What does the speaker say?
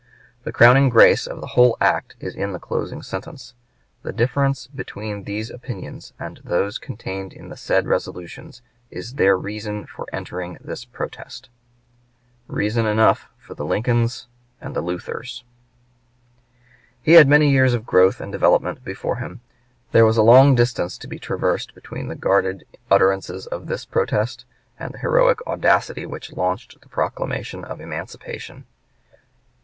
The crowning grace of the whole act is in the closing sentence: "The difference between these opinions and those contained in the said resolutions is their reason for entering this protest." Reason enough for the Lincolns and Luthers. He had many years of growth and development before him. There was a long distance to be traversed between the guarded utterances of this protest and the heroic audacity which launched the proclamation of emancipation.